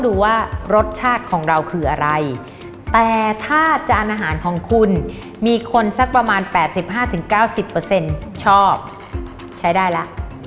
ดูว่ารสชาติของเราคืออะไรแต่ถ้าจานอาหารของคุณมีคนสักประมาณ๘๕๙๐ชอบใช้ได้แล้ว